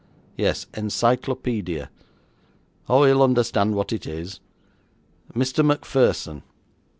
Yes, encyclopaedia. Oh, he'll understand what it is. Mr. Macpherson.